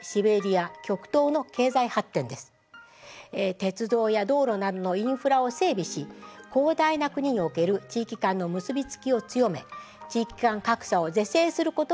鉄道や道路などのインフラを整備し広大な国における地域間の結び付きを強め地域間格差を是正することも重要です。